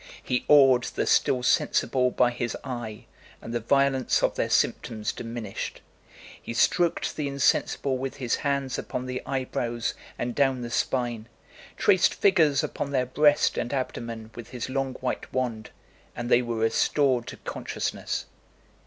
He awed the still sensible by his eye, and the violence of their symptoms diminished. He stroked the insensible with his hands upon the eye brows and down the spine; traced figures upon their breast and abdomen with his long white wand, and they were restored to consciousness.